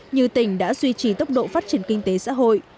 như tỉnh đã duy trì tốc độ phát triển kinh tế xã hội